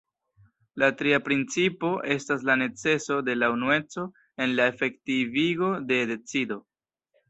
La tria principo estas la neceso de unueco en la efektivigo de decido.